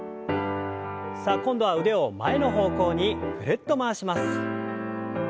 さあ今度は腕を前の方向にぐるっと回します。